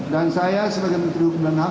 saya sebagai menteri hukum dan ham